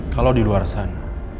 kalau di luar sana